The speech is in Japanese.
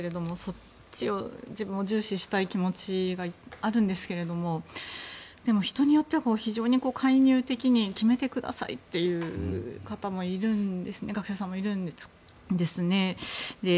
そっちを自分は重視したい気持ちがあるんですけどでも、人によっては非常に介入的に決めてくださいっていう学生さんもいるんですね。